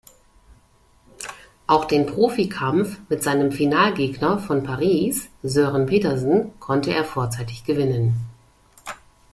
Auch den Profikampf mit seinem Finalgegner von Paris, Søren Petersen, konnte er vorzeitig gewinnen.